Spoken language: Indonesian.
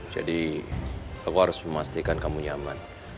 jadi aku harus memastikan kamu nyaman